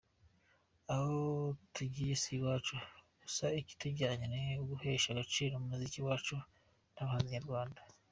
Aho tugiye si iwacu, gusa ikitujyanye ni uguhesha agaciro umuziki wacu n’abahanzi nyarwanda”.